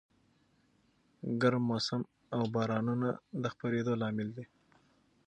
ګرم موسم او بارانونه د خپرېدو لامل دي.